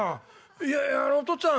いやあのお父っつぁん。